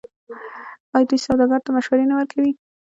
آیا دوی سوداګرو ته مشورې نه ورکوي؟